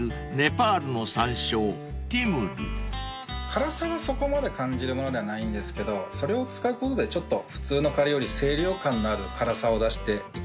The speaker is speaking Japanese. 辛さはそこまで感じるものではないんですけどそれを使うことでちょっと普通のカレーより清涼感のある辛さを出していこうかなって感じですね。